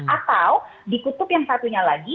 atau dikutup yang satunya lagi